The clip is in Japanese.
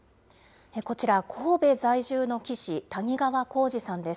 こちら、神戸在住の棋士、谷川浩司さんです。